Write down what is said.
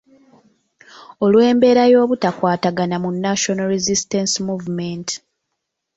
Olw’embeera ey’obutakwatagana mu National Resistance Movement.